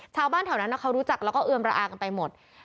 ชาวบ้านแถวนั้นเขารู้จักแล้วก็เอือมระอากันไปหมด